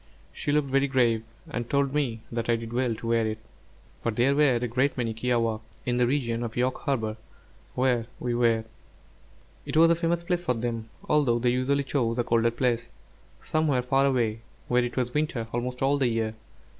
She looked very grave, and told me that I did well to wear it, for there were a great many kiawākq' in the region of York Harbor where we were; it was a famous place for them, although they usually chose a colder place, somewhere far away, where it was winter almost all the year.